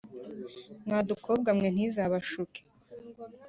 Mwa dukobwa mwe ntiza bashuke